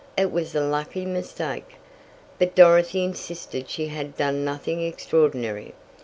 It was a lucky mistake." But Dorothy insisted she had done nothing extraordinary.